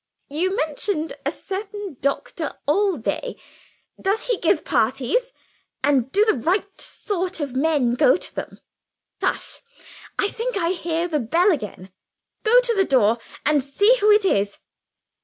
You mentioned a certain Doctor Allday. Does he give parties? And do the right sort of men go to them? Hush! I think I hear the bell again. Go to the door, and see who it is."